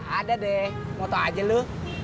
ada deh mau tau aja lo